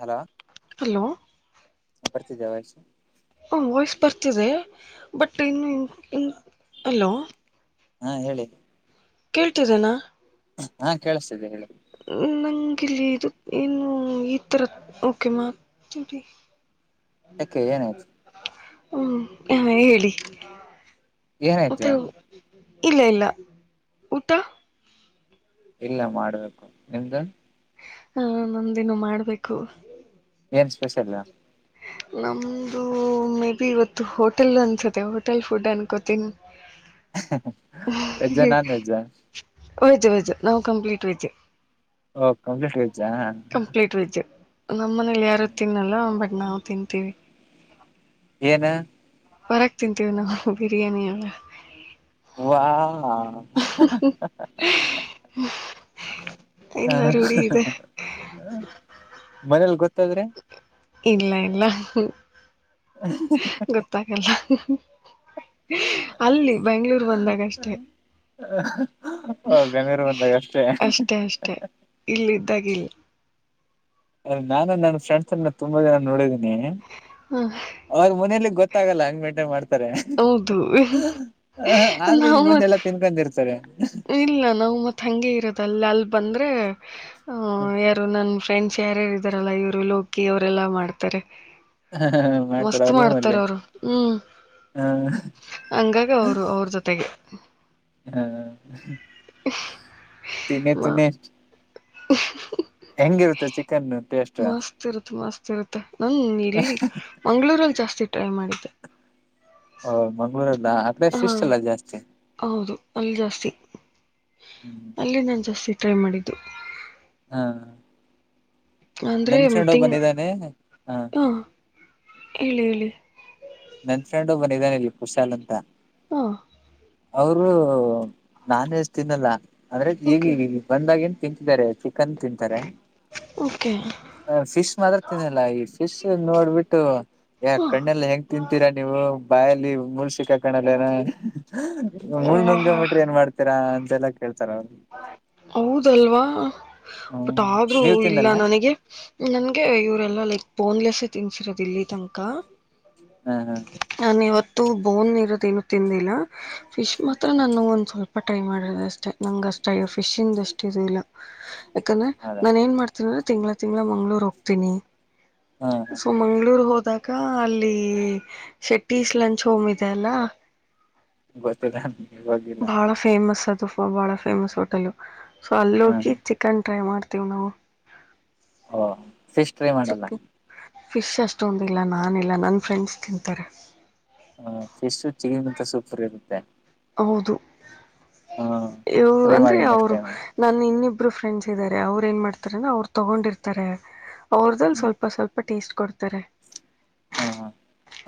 Hello hello ಬರ್ತಿದೆ voice ಹ voice ಬರ್ತಿದೆ ಬಟ್ ಇನ್ನು ಅಲ್ಲೋ ಹಾ ಹೇಳಿ ಕೇಳ್ತರೇನಾ ಹಾ ಕೇಳಿಸ್ತಿದೆ ಹೇಳಿ ಕಿಲ್ಲಿ ಇದು ಏನು ಈಥರ ಓಕೆ ಮಾತಡಿ ಯಾಕೆ ಏನಾಯ್ತು ಹ್ಮ ನಾವೇ ಹೇಳಿ ಏನ್ ಮತ್ತೆ ಆತಾ ಇಲ್ಲ ಇಲ್ಲ ಊಟ ಇಲ್ಲ ಮಾಡ್ಬೇಕು ನಿಮ್ದು ಹ ನಮ್ದೇನ್ನು ಮಾಡ್ಬೇಕು ಏನ್ ಸ್ಪೆಷಲ್ಯಾ ನಮ್ದು ಮೇ ಬಿ ಇವತ್ತು ಹೋಟೆಲ್ ಅನ್ಸತ್ತ ಹೋಟೆಲ್ ಫುಡ್ ಅನ್ಕೋತೀನಿ ವೆಜ್ಜಾ ನಾನ್ ವೆಜ್ಜಾ ವೆಜ್ ವೆಜ್ ನಾವು ಕಂಪ್ಲೀಟ್ ವೆಜ್ ಓ ಕಂಪ್ಲೀಟ್ ವೆಜ್ ಕಂಪ್ಲೀಟ್ ವೆಜ್ ನಮ್ಮ ಮನೇಲಿ ಯಾರು ತಿನ್ನಲ್ಲ ಬಟ್ ನಾವು ತಿಂತೀವಿ ಏನು ಬರಕ್ ತಿಂತೀವಿ ನಾವು ಬಿರಿಯಾನಿಳ ವಾ ಹ ಇಲ್ಲ ರೂಢಿ ಇದೆ ಮನೇೆಯಲ್ಲಿ ಗೊತ್ತ ಇಲ್ಲ ಇಲ್ಲ ಗೊತ್ತಾ ಕಲ್ಲ ಅಲ್ಲಿ ಬೆಂಗಳೂರು ಬಂದಾಗ ಅಷ್ಟೆ ಗಂಗರು ಬಂದಾಗ ಅಷ್ಟೇ ಅಷ್ಟೆ ಅಷ್ಟೆ ಇಲ್ಲ್ದಾಗಲ್ಲ ಅ ನಾನು ನನ್ನ ಫ್ರೆಂಡ್ಸ್ ತುಂಬಾ ಜಿನ ನೋಡಿದೀನಿ ಹ ಅವ್ರ ಮನೆಯಲ್ಲಿ ಗೊತ್ತ ಲ್ಲ ಹಂಗ ಮಂಟ ಮಾಡತ ಹೌದು ಆದ್ರೆ ನಾವು ಇಲ್ಲಿ ಮುಂದೆ ಮತ್ ಎಲ್ಲ ತಿನ್ಕೊಂಡಿರ್ತಾರೆ ಇಲ್ಲ ನಾವು ಮತ್ ಹಂಗಗೆ ಇರೋದ ಅಲ್ಲಿ ಅಲ್ಲಿ ಬಂದ್ರೆ ಹ ಯಾರು ನನ್ ಫ್ರೆಂಡ್ಸ್ ಯಾರ್ಯಾರ ಇದ್ದಾರಲ್ಲ ಇವ್ರು ಲೋಕಿ ಅವರೆಲ್ಲಾ ಮಾಡ್ತಾರೆ ಹ ಮಾಡ್ತಾರ ಮಸ್ತ್ ಅವ್ರ ರೂಮ್ ಮಾಡ್ತಾರ ಅಲ್ಲಿ ಅವರು ಹ್ಮ್ ಹ ಹಂಗಾಗ ಅವರು ಅವ್ರ ಜೊತೆಗೆ ಹಾ ತಿನ್ನಿ ತಿನ್ನಿ ಹ ಹೆಂಗಿರುತ್ತೆ ಚಿಕನ್ ಟೇಸ್ಟ್ ರುತ್ತೆ ನನ್ ಇಲ್ಲಿ ಮಂಗ್ಗಳೂರಲ್ಲಿ ಜಾಸ್ತಿ ಟ್ರೈ ಮಾಡಿದ್ದೆ ಹಓ ಮಂಗ್ಳೂರಲ್ಲ ಆ ಕಡೆ ಹಾ ಫಿಶ್ ಅಲ್ಲ ಜಾಸ್ತಿ ಹೌದು ಅಲ್ಲಿ ಜಾಸ್ತಿ ಹ್ಮ್ ಅಲ್ಲಿ ನಾನು ಜಾಸ್ತಿ ಟ್ರೈ ಮಾಡಿದ್ದು ಹಾ ಅಂದ್ರೆ ಎಮಂಗ್ ಹ ಹಾ ಹೇಳಿ ಹೇಳಿ ನನ್ ಫ್ರೆಂಡ್ ಒಬ್ಬರ ಇದಾನ ಇಲ್ಲಿ ಕುಶಾಲ್ ಅಂತ ಹಾ ಅವರು ನಾನೇಷ್ಟ ತಿನ್ನಲ್ಲ ಅಂದ್ರೆ ಓಕೆ ಈಗಗ ಬಂದಾಗಿನ್ ತಿಂತಿದಿದ್ದಾರೆ ಕನ್ ತಿಂತಾರೆ ಓಕೆ ಫಿಶ್ ಮಾತ್ರ ತಿನ್ನಲ್ಲ ಈ ಫಿಶ್ ನೋಡ್ಬಿಟ್ಟ ಯಾ ಹಾಂ ಕಣ್ಣೆಲ್ಲ ಹೆಂಗ ಕ್ಕ ನೀವು ಬಾಯಲ್ಲಿ ಮುಳ್ಸಿ ಕಕ್ಕಣಕ ಏನ [unintelligible] ಮುಳ್ ನುಂಗ ಮಿಟ್ರೆ ಏನ್ ಮಾಡ್ತೀರಾ ಅಂತೆಲ್ಲಾ ಕೇಳ್ತಾರ ಅವರು. [unintelligible] ಹೌದಲ್ವಾ. ಹ್ ಹ್ಮ್ ಬಟ್ ಆದ್ರೂ ನೀವ್ ಇಲ್ಲ ತಿನ್ನಲ್ಲ ನನಿಗೆ ನನ್ಗೆ ಇವರೆಲ್ಲ ಲೆಕ್ಕ ಬೋನ್ಲೆಸ್ಸೇ ತಿನ್ಸಿರದು ಇಲ್ಲಿ ತನ್ಕ ಹ ಹ ನನ್ ಇವತ್ತ್ ತ್ತು ಬೋನ್ ಇರೋದ್ ಏನು ತಿಂದಿಲ್ಲ ಹ್ ಫಿಶ್ ಮಾತ್ರ ನಾನು ಒಂದ್ ಸ್ವಲ್ಪ ಅಪ ಟೈ ಮಾಡದಷ್ಟೇ ನಂಗ್ ಅಷ್ಟ ಫಿಶಿಂದ ಅಷ್ಟ್ ಇಸಿ ಇಲ್ಲ. ಯಾಕನ್ನ ಹೌದ ನಾನ್ ಏನ್ ಮಾಡ್ತೀನ ತಿಂಗ್ಳ ತಿಂಗ್ಳ ಮಂಗ್ಳೂರ್ ಹೋಗ್ತಿನಿ. ಹ ಹ ಸೊ ಮಂಗ್ಳೂರು ಅದ್ ದಗಾ ಅಲ್ಲೀ ಶೆಟ್ಟೀಸ್ ಲಂಚ್ ಹೋಮ್ ಇದೆ ಅಲ್ಲ. ಗೊತ್ತಿದಹ್ನ್ ಭಾಳ ಫೇಮಸ್ ಅದು ಫ ಬಹಳ ಫೇಮಸ್ ಹೋಟೆಲ್ ಸೊ ಹ್ಮ್ ಅಲ್ಲೋಗಿ ಹ್ಮ್ ಚಿಕನ್ ಟ್ರೈ ಮಾಡ್ತ ತಿವ್ ನವು. ಓ ಸಿಸ್ ಟ್ರೈ ಮಾಡಲ್ಲ. ಚಿಕ್ಕ ಫಿಶ್ ಅಷ್ಟೊಂದಿಲ್ಲ ನಾನ್ ಇಲ್ಲ ನನ್ ಫ್ರೆಂಡ್ಸ್ ತಿಂತಾರೆ. ಹ ಫಿಶ್ಶು ಚಿಕನ್ಗಿಂತ ಸೂಪರ್ ಇರುತ್ತೆ. ಹೌದು ಹ [inaudible] ಯೂ ಟ್ರೈ ಅಂದ್ರೆ ಮಾಡಿ ನೆಕ್ಸ್ಟ್ ಅವ್ರು ಟೈಮ್ ನಾನ್ ಇನ್ನಿಬ್ ಇಬ್ರು ಫ್ರೆಂಡ್ಸ್ ಇದ್ದಾರೆ ಅವ್ರು ಏನ್ ಮಾಡ್ತಾರೆ ಅವ್ರು ತಗೊಂಡಿರ್ತಾರೆ ಅವ್ರ್ದ್ರಲ್ ಹ್ಮ್ ಸ್ವಲ್ಪ ಸ್ವಲ್ಪ ಟೇಸ್ಟ್ ಕೊಡ್ತರೆ. ಹ ಹಾ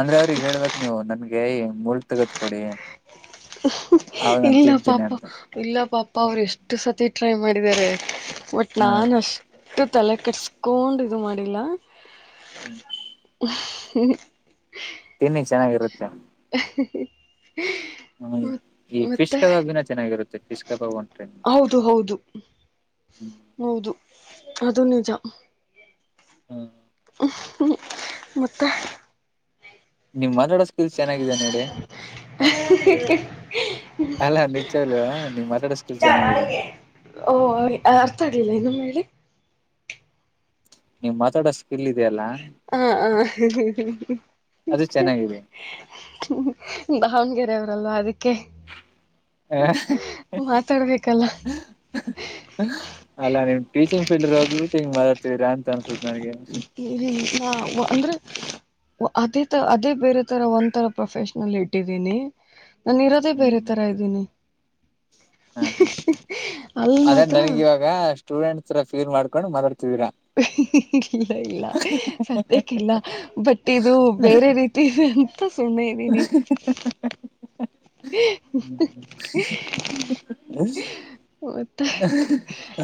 ಅಂದ್ರೆ ಅವ್ರಿಗ್ ಹೇಳ್ಬೇಕ್ ನೀವು ನಮ್ಗೇ ಇ ಮೂಳ್ ತೆಗೆದ್ ಕೊಡಿ. ಹ್ ಹ್ ಅವಾಗ ನಾನ್ ಇಲ್ಲ ತಿಂತೀನಿ ಪಾಪ ಅಂತ ಇಲ್ಲ ಪಾಪ ಅವ್ರ ಎಷ್ಟು ಸತಿ. ಟ್ರೈ ಮಾಡಿದ್ದಾರೆ ಬಟ್ ಹ ನಾನು ಅಷ್ಟು ತಲೆ ಕಟ್ಸ್ಕೋನ್ಡ್ ಇದು ಮಾಡಿಲ್ಲ. ಹ [unintelligible] ತಿನ್ನಿ ಚೆನ್ನಾಗಿರುತ್ತೆ. ಹ ಇ ಈ ಫಿಶ್ ಮತ್ತೆ ಕಬಾಬ್ ಇನ್ನ ಚೆನ್ನಾಗಿರುತ್ತೆ ಫಿಶ್ ಕಬಾಬ್ ಒಂದ್ ಟ್ರೈ ಮಾಡಿ. ಹೌದು ಹೌದು ಹ್ಮ್. ಹೌದು ಅದು ನಿಜ. ಹಾ. [unintelligible] ಮತ್ತೆ. ನಿಮ್ ಮಾತಾಡ ಸ್ಕಿಲ್ಸ್ ಚೆನ್ನಾಗಿದೆ ನೋಡಿ. ಅಲ್ಲ ನಿಚ್ಚಾಲ್ಲೂ ನೀವ್ ಮಾತಾಡ ಸ್ಕೀಲ್ ಚೆನ್ನಾಗಿದೆ. ಓ ಅವ್ರಿ ಆರ್ಥ ಆಗ್ಲಿಲ್ಲ ಇನ್ನೊಮ್ಮೇಳಿ. ನೀಮ್ ಮಾತಾಡೋ ಸ್ಕಿಲ್ ಇದೆಯಲ್ಲಾ. ಹ ಹ. [unintelligible] ಅದು ಚೆನ್ನಾಗಿದೆ. [unintelligible] ಬಾವನ್ಗೆರೆ ಅವ್ರಲ್ವಾ ಅದಿಕ್ಕೆ. ಏಹ್ [unintelligible] ಹ. ಮಾತಾಡ್ಬೇಕಲ್ಲ ಹ್ ಅಲ್ಲ ನೀಮ್ ಟೀಚಿಂಗ್ ಫೀಲ್ಡ್ ಇರೋಗೂ ಹೋಗ್ಬಿಟ್ಟು ಹಿಂಗ್ ಮಾತಾಡ್ತೀದಿರಾ ಅಂತ ಅನ್ಸ್ [unintelligible] ಒ ಅದೇ ತ ಅದೇ ಬೇರೆ ತರ ಒಂತರ ಪ್ರೊಫೆಷ್ನಲ್ ಇಟ್ಟಿದಿನೀ. ನಾನು ಇರೋದೆ ಬೇರೆ ತರ ಇದ್ದೀನಿ. ಹ ಹ ಅಲ್ಲಿ ಅದ್ರೆ ಮಾತ್ರ ನನಿಗ್ ಇವಾಗ ಸ್ಟೂಡೆಂಟ್ ಸ್ರ ಫೀಲ್ ಮಾಡ್ಕೊಂಡು ಮತಾಡ್ [unintelligible] ಇಲ್ಲ ಇಲ್ಲ ಸತ್ಯಕ್ಕಿಲ್ಲ ಬಟ್ ಇದು ಬೇರೆ ರೀತಿನೆ ಅಂತ್ ತ್ತು ಸಮ್ನೆ ಇದಿನಿ. [unintelligible] ಒರ್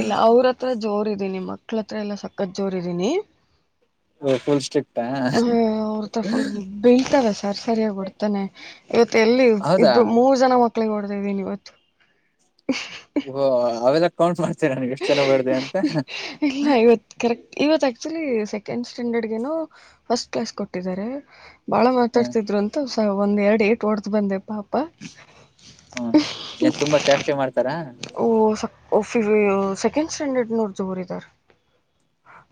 ಇಲ್ಲ ಅವ್ರ್ ಹತ್ರ ಜೋರ್ ಇದೀನಿ ಮಕ್ಳ ಹತ್ರ ಎಲ್ಲ ಸಕ್ಕತ್ ಜೋರ್ ಇದಿನಿ. ಒಕೋಸ್ಟೆಕ್ ಹಯೋ ಅವ್ರ್ತ ಫುಲ್ ಬೆಳ್ತವೆ ಸರ್ ಸರಿಯಾಗ್ ಒಡ್ತಾನೆ ಇವತ್ತ್ ಎಲ್ಲಿ. ಹೌದಾ ಇಬ್ರ್ ಮೂರ್ ಜನ ಮಕ್ಳಿಗೆ ಹೊಡ್ದಿದೀನ್ ಇವತ್ತು. ಓ ಅವೆಲ್ಲ ಕೌಂಟ್ ಮಾಡ್ತೇರ ನೀವ್ ಎಷ್ಟ್ ಚೆನ್ನ ಓಡ್ದೆ ಅಂತ. ಇಲ್ಲ [unintelligible] ಇವತ್ ಕರೆಕ್ಟ್ ಇವತ್ ಆಕ್ಚುಲಿ ಸೆಕೆಂಡ್ ಸ್ಟ್ಯಾಂಡರ್ಡ್ಗೆನೋ ಫಸ್ಟ್ ಕ್ಲಾಸ್ ಕೊಟ್ಟಿದ್ದಾರೆ. ಬಾಳ ಹಾ ಮಾತಾಡ್ತಿದ್ರು ಅಂತುಸ ಒಂದ್ ಎರಡ್ ಏಟ್ ಹೊಡ್ದು ಬಂದೆ ಪಾಪ. ಹಾ ಏನ್ ತುಂಬಾ ಚೇಷ್ಟೆ ಮಾಡ್ತಾರಾ ಓ ಸಫರು ೆೆಂಡ್ ಸ್ಟ್ಯಾಂಡರ್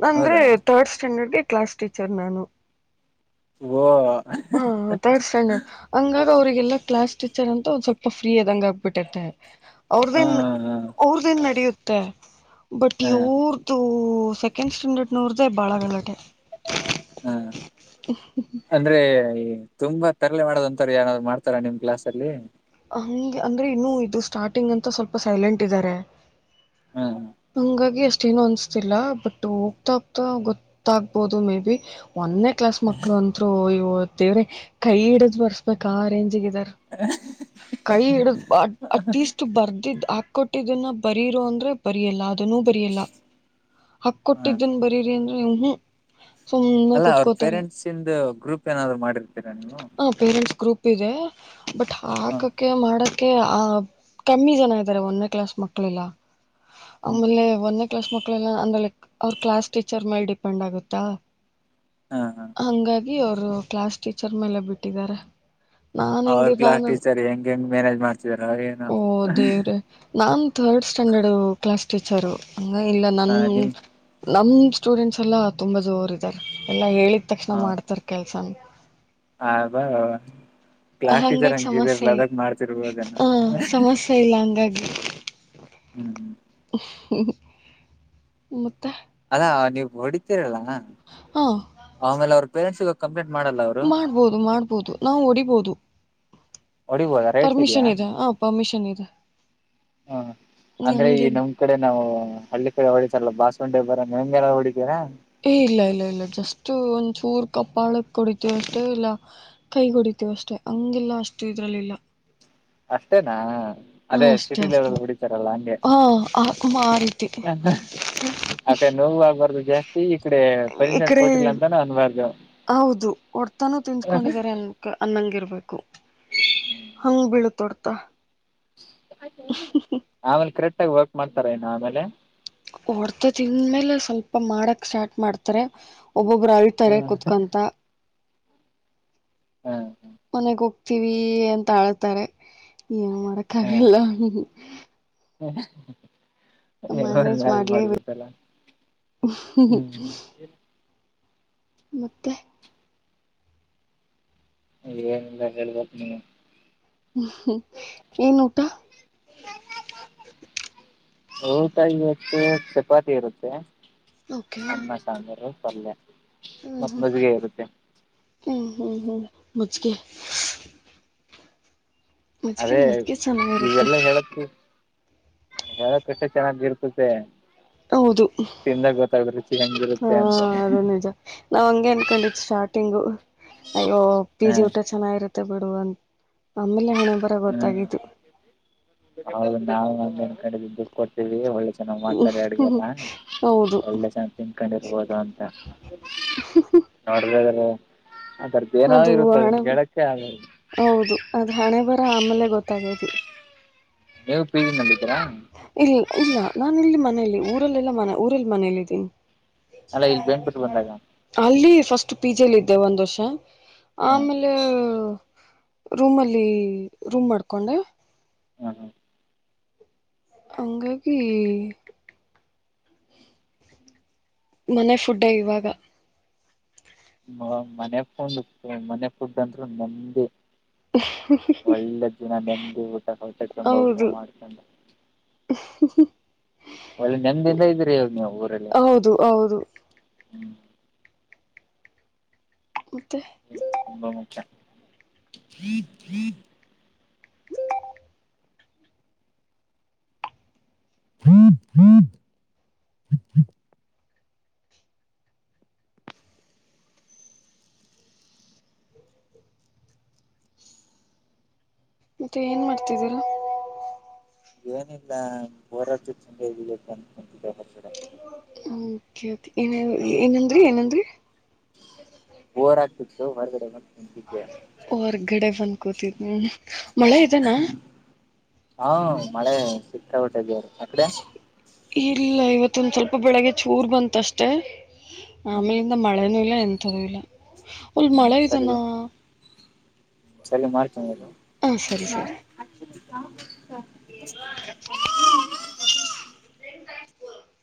ನಂದ್ರೆ ಹೌದಾ ತರ್ಡ್ ಸ್ಟ್ಯಾಂಡರ್ಡ್ ಕ್ಲಾಸ್ ಟೀಚರ್ ನಾನು ಓ ಹಾ ಹ ಥೋಸ್ ಅಣ್ಣ ಹಾಂಗ್ ಅವ್ರರಿಗೆಲ್ಲ ಕ್ಲಾಸ್ ಟೀಚರ್ ಅಂತ ಒಂದ್ ಸ್ವಲ್ಪ ಫ್ರೀ ಅದಂಗ ಆಗ್ಬಿಟ್ಟಿತ್ತತೆ ಅವ್ರದು ಏನ್ ಹಾ ಅವ್ರ ಏನ್ ನಡೆಯುತ್ತೆ ಬಟ್ ಹಾ ಇವ್ರ್ದು ಓ ಸೆಕೆಂಡ್ ಸ್ಟ್ಯಾಂಡರ್ಡ್ ನೂರ್್ದೇ ಬಾಳ ಗಳ್ಳಾಟೆ ಹೂ ಅಂದ್ರೆ ತುಂಬಾ ತರಲೆ ಮಾಡೋದ ಅಂತಾರ ಯಏಾರಾದ್ ಮಾಡ್ತಾರಾ ನಿಮ್ ಕ್ಲಾಸ್ ಅಲ್ಲಿ ಹಗೆ ಅಂದ್ರೆ ಇನ್ನು ಇದು ಸ್ಟಾರ್ಟಿಂಗ್ ಅಂತ ಸ್ವಲ್ಪ ಸೈಲೆಂಟ್ ಇದ್ದಾರೆ ಹಾ ಹಂಗಾಗಿ ಅಷ್ಟೇನು ಅನ್ಸ್ತಿಲ್ಲ ಬಟ್ ಹೋಗ್ತಾ ಹೋಗತಾ ಗೊತ್ತಾಗ್ಬೋದು ಮೇ ಬಿ ಒಂದೇ ಕ್ಲಾಸ್ ಮಕ್ಳು ಅಂತರು ಇವ ದೇವ್ರೆ ಕೈ ಹಿಡಿದ್ ಬರ್ಸ್ಬೇಕ ಆ ರೇಂಜ್ಿಗೆ ಹ ಕೈ ಹಿಡ ಅಟ್ಲೀಸ್ಟ್ ಬರ್ದಿದ್ದ್ ಹಾಕೊಟ್ಟಿದ್ದನ್ನ ಬರಿೀರೋ ಅಂದ್ರೆ ಬರಿಯಲ್ಲ ಅದುನೂ ಬರಿಯಲ್ಲ ಹಕ್ ಹಾ ಕೊಟ್ಟಿದ್ದನ್ ಬರೀರಿ ಅಂದ್ರೆ ನೀ ಹ ಅಲ್ಲ ಅವ್ರ ಪೇರೆಂಟ್ಸ್ ಇಂದ ಗ್ರೂಪ್ ಏನಾದ್ರು ಮಾಡಿರ್ ಹ ಪೇರೆಂಟ್ಸ್ ಗ್ರೂಪ್ ಇದೆ ಬಟ್ ಹಾ ಹಾಕಕ ಮಾಡಕ್ ಆ ಕಮ್ಮಿ ಜನ ಇದ್ದಾರೆ ಒಂದೇ ಕ್ಲಾಸ್ ಮಕ್ಕಳೆಲ್ಲ ಹ್ಮ್ ಆಮೇಲೆ ಒಂದೇ ಕ್ಲಾಸ್ ಮಕ್ ಮಕ್ಕಳ ಅಂದ್ರ ಅವ್ರ ಕ್ಲಾಸ್ ಟೀಚರ್ ಮೇಲೆ ಡಿಪೆಂಡ್ ಆಗುತ್ತಾ ಹಾ ಹಾ ಈ ಅವ್ರು ಕ್ಲಾಸ್ ಟೀಚರ್ ಮೇಲೆ ಬಿಟ್ಟಿದ್ದಾರೆ ನಾನ್ ಅವ್ರ ಕ್ಲಾಸ್ ಹೆಂಗಿದ್ದಾನ ಟೀಚರ್ ಹೆಂಗ್ ಹೆಂಗ್ ಮ್ಯಾನೇಜ್ ಮಾಡ್ತಿದಾರ ಏನೋ ಓ ದೇವ್ರೆ ನಾನ್ ರ್ಡ್ ಸ್ಟ್ಯಾಂಡರ್ಡ್ ಕ್ಲಾಸ್ ಟೀಚರು ಹ ಇಲ್ಲ ನ ಹಾ ನಿಮ್ ನ ಸ್ಟೂಡೆಂಟ್ಸ್ ಎಲ್ಲಾ ತುಂಬಾ ಜೋರ್ ಇದಾರೆ ಎಲ್ಲಾ ಹೇಳಿದ ತಕ್ಷಣ ಮಾಡ್ತಾರೆ ಕೆಲ್ಸನ ಹಾ ಬರ ಹಂಗಾಗಿ ಸಮಸ್ಯೆ ಮಾಡ್ತಿರ್ಬೋದೇನೋ ಹ ಸಮಸ್ಯೆ ಇಲ್ಲ ಹಂಗಾಗಿ ಜ ಹೂ ಹೂ ್ಮ ಹೂ ಮತ್ತೆ ಅಲ್ಲಾ ನೀವು ಹೊಡಿತೀರಲ್ಲ ಹಾ ಆಮೇಲೆ ಅವ್ರ ಪೇರೆಂಟ್ಸಗ ಕಂಪ್ಲೇಂಟ್ ಮಾಡಲ್ಲ ಅವರು ಮಾಡ್ಬೋದು ಮಾಡ್ಬೋದು ನಾವು ಹೊಡಿಬೋದು ಹೊಡಿಬೋದ ರೈಟ್ಸ್ ಇದೆಯಾ ಪರ್ಮಿಷನ್ ಇದೆ ಹ ಪರ್ಮಿಷನ್ ಇದೆ ಹ ಅಂದ್ರೆ ಈ ಹಂಗೇನ್ ನಮ್ ಕಡೆ ನಾವು ಹಳ್ಳಿ ಕಡೆ ಹೊಳ ಎಲ್ಲ ಬಾಸವಂಡಿಬ್ರ ಮೈ ಮೇಲೆ ಎಲ್ಲ ಹೊಡಿತೀರಾ ಏ ಇಲ್ಲ ಇಲ್ಲ ಇಲ್ಲ ಜಸ್ಟ್ ಒಂದ್ ಚೂರ್ ಕಪ್ಪಾಳಕ್ ಕುಡಿತೀವಿ ಅಷ್ಟೆ ಇಲ್ಲ ಕೈ ಕುಡಿತವಿ ಅ ಅಷ್ಟೆ ಹಂಗಿಲ್ಲ ಅಷ್ಟು ಇದ್ರಲ್ಲಿಲ್ಲ ಅಷ್ಟೇನಾ ಹಾಂ ಅದೇ ಅಷ್ಟೇ ಸಿಟಿ ಅಷ್ಟೇ ಲೆವೆಲ್ ಹೊಡಿತಾರಲ್ಲ ಹಂಗೆ ಹಾಂ ಆ ಆ ರೀತಿ ಮತ್ತೆ ನೋವು ಆಾಗಬಾರ್ದು ಜಾಸ್ತಿ ಈ ಕಡೆ ಈ ಪರಿಷತ್ ಕಡೆ ಕೊಟ್ಟಿಲ್ಲ ಅಂತಾನ ಅನ್ಬಾರ್ದು ಹೌದು ಹೊಡ್ತಾನೂ ತಿನ್ಸ್ಕೊಂಡಿದಿದ್ದಾರೆ ಅನ್ ಅನ್ನಂಗಿರ್ಬೇಕು ಹಂಗ ಬೀಳತೊಡ್ತ ಆಮೇಲೆ ಕರೆಕ್ಟ್ ಆಗ ವರ್ಕ್ ಮಾಡ್ತಾರ ನ ಆಮೇಲೆ ಹೊಡ್ತ ತಿಂದ್ಮೇಲೆ ಸ್ವಲ್ಪ ಮಾಡಕ್ ಸ್ಟಾರ್ಟ್ ಮಾಡ್ತಾರೆ ಒಬ್ಬೊಬ್ರು ಅಳ್ತಾರೆ ಕುತ್ಕೊಂತ ಮನೆಗ್ ಹೋಗ್ತೀವಿ ಅಂತ ಆಳ್ತಾರೆ ನ್ ಏನು ಮಾಡಾಕಾಗಲ್ಲ ಹಾ ನಿಮ್ ನೋಡಿ ಮೇಲ್ ಮಾಡ್ಲೇಬೇಕು ಮಾಡ್ಬೇಕಲ್ಲ ಹೂ ಮತ್ತೆ ಏನಿಲ್ಲ ಹೇಳ್ಬೇಕ ನೀವು ಹ್ಮ್ಮ ಏನು ಊಟಾ? ಊಟ ಇವತ್ತು ಚಪಾತಿ ಇರುತ್ತೆ ಓಕೆ ಅನ್ನ ಸಾಂಬಾರು ಪಲ್ಯ. ಹ್ಮ್ ಮತ್ತ ಹ್ಮ್ ಮಜ್ಗೆ ಇರುತ್ತೆ. ಹ್ಮ್ ಹ್ಮ್ ಹ್ಮ್ ಮಜ್ಗೆ ಅದೇ ಚೆನ್ನಾಗಿರುತ್ತೆ ಇವೆಲ್ಲಾ ಹೇಳತ್ತು ಹೇಳಾಕಷ್ಟೆ ಚೆನ್ನಾಗಿರ್ತದೆ ಹೌದು ತಿಂದಾಗ ಗೊತ್ತಗುತ್ತೆ ಹಾ ಅದೇ ನಿಜ ನಾವ್ ಹಂಗೆ ಅನ್ಕೊಂಡಿದ್ ಸ್ಟಾರ್ಟ್ ಸ್ಟಾರ್ಟಿಂಗು ಅಯ್ಯೋ ಪಿ ಹ ಜಿ ಊಟ ಚೆನ್ನಾಗಿರುತ್ತೆ ಬಿಡು ಅಂತ ಆಮೇಲೆ ಹಣ ಬರ ಹ್ಮ್ ಗೊತ್ತಾಗಿದ್ದು ಹೌದು ನಾವ ಒಂದ ಕಡೆ ದುಡ್ ಕೊಡ್ತೀವಿ ಒಳ್ಳೆ ಚೆನ್ನಾಗ್ ಮಾಡ್ತಾರೆ ಅಡ್ಗೆನ ಹೌದು ಒಳ್ಳೆ ಸಂ ತಿಂಗಕಂಡಿರ್ಬೋದು ಅಂತ ನೋಡ್ರ ಅದು ಹಣೆ ಹೇಳಕ್ಕೆ ಆಗಲ್ಲ ಹೌದು ಅದ ಹಣೆ ಬ ಆಮೇಲೆ ಗೊತ್ತಾಗದು ಎ ಇಲ್ಲ ಇಲ್ಲ ನಾನ ಇಲ್ಲಿ ಮನೇೆಯಲ್ಲಿ ಊರಲ್ಲೆಲ್ಲ ಮನೆ ಊರಲ್ಲಿ ಮನೇಲ್ಲಿದ್ದೀನಿ ಅಲ್ಲ ಇಲ್ಲಿ ಬೇನ್ಪುಟ್ಟ ಬಂದಾಗ ಅಲ್ಲಿ ಫಸ್ಟ್ ಪಿ ಜಿ ಲಿದ್ದೆ ಒಂದ್ ವರ್ಷ ಹ್ಮ್ ಆಮೇಲೆ ರೂಮಲ್ಲಿ ರೂಮ್ ಮಾಡ್ಕೊಂಡೆ ಹ್ಮ್ ಹಂಗಾಗಿ ಮನೆ ಫುಡ್ ಇವಾಗ ಮ ಮನೆ ಫುಡ್ ಮನೆ ಫುಡ್ ಅಂತ್ರು ನೇಮ್ದಿ ಒಳ್ಳೆ ದಿನ ದಂಡಿ ಊಟ ಹೊಸ ತಂಬ ಊಟ ಹೌದು ಮಾಡ್ಕೊಂಡು [inaudible] ಒಳ್ಳೆ ನೆಮ್ದಿಂದ ಇದ್ದೀರಿ ಇವಾಗ್ ನೀವು ಊರಲ್ಲಿ ಹೌದು ಹೌದು ಹ್ಮ್ ಮತ್ತೆ ತುಂಬಾ ಮುಖ್ಯ [inaudible] ಮತ್ತೆ ಏನ್ ಮಾಡ್ತಿದ್ದೀರಾ ಏನಿಲ್ಲ ಹೋರಾಟದ ಚಂದ ಇ ಅನ್ಕು [unintelligible] ಓಕೆ ಏನ ಏನಂದ್ರಿ ಏನಂದ್ರಿ ಹೊರ್ ಕಡೆ ಹೊರ್ಗಡೆ ಬಂದ್ಕೂತಿದ್ನಿ ಮಳೆ ಇದನಾ ಹಾ ಮಳೆ ಸಿಕ್ಕಾಪಟ್ಟೆ ಇದೆ ಇಲ್ಲ ಇವತ್ತೊಂದ ಸ್ವಲ್ಪ ಬೆಳಗ್ಗೆ ಚೂರ್ ಬಂತಷ್ಟೇ ಆಮೇಲಿಂದ ಮಳೆನೂ ಇಲ್ಲ ಎಂಥದೂ ಇಲ್ಲ ಒಅಲ್ ಮಳೆ ಸರಿ ಇದಾನ ಸರಿ ಮಾಡ್ತನೀರು ಹಾಂ ಸರಿ ಸರಿ [unintelligible]